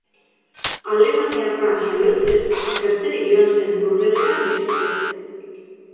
Alemaniarra jaiotzez, gazterik joan zen Bordelera bizitzera.